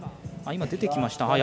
出てきました。